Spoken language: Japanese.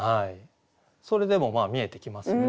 それでも見えてきますね。